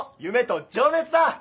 夢と情熱だ！